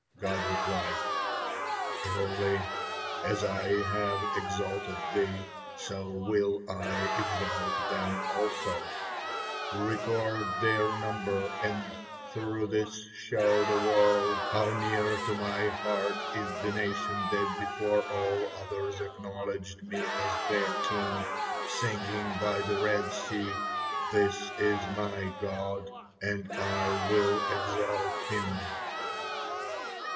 God replied: "Truly, as I have exalted thee, so will I exalt them also; record their number, and through this show the world how near to My heart is the nation that before all others acknowledged Me as their king, singing by the Red Sea: 'This is my God, and I will exalt Him.'"